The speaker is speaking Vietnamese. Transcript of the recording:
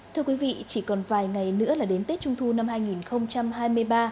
thưa quý vị chỉ còn vài ngày nữa là đến tết trung thu năm hai nghìn hai mươi ba